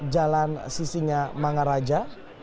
jalan sisinya manggaraja